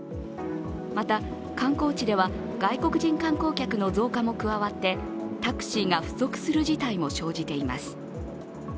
また、観光地では外国人観光客の増加も加わってタクシーが不足する事態も生じています。